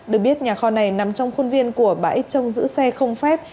được biết nhà kho này nằm trong khuôn viên của bãi trông giữ xe không phép